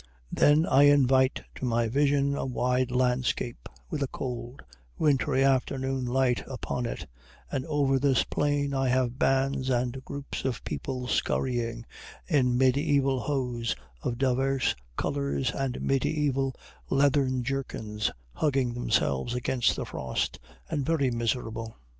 Then I invite to my vision a wide landscape, with a cold, wintry afternoon light upon it, and over this plain I have bands and groups of people scurrying, in mediæval hose of divers colors and mediæval leathern jerkins, hugging themselves against the frost, and very miserable.